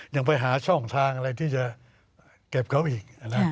ยังไปหาช่องทางอะไรที่จะเก็บเขาอีก